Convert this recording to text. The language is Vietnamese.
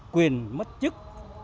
quyền mất chức